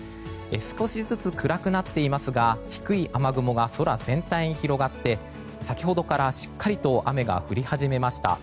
少しずつ暗くなっていますが低い雨雲が空全体に広がって先ほどからしっかりと雨が降り始めました。